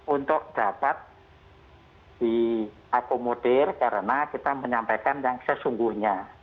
untuk dapat diakomodir karena kita menyampaikan yang sesungguhnya